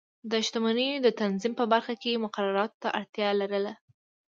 د شتمنیو د تنظیم په برخه کې مقرراتو ته اړتیا لرله.